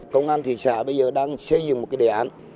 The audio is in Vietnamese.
công an thị xã bây giờ đang xây dựng một cái đề án